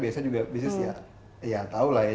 biasanya juga bisnis ya ya tahu lah ya